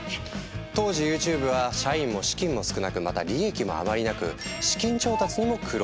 当時ＹｏｕＴｕｂｅは社員も資金も少なくまた利益もあまりなく資金調達にも苦労。